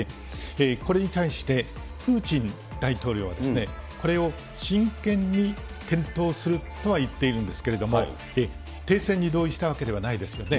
これに対してプーチン大統領は、これを真剣に検討するとは言っているんですけれども、停戦に同意したわけではないですよね。